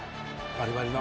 バリバリの。